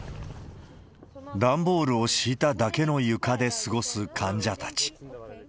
段ボールを敷いただけの床で過ごす患者たち。